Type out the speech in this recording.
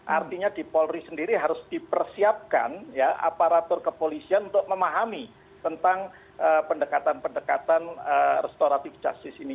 artinya di polri sendiri harus dipersiapkan aparatur kepolisian untuk memahami tentang pendekatan pendekatan restoratif justice ini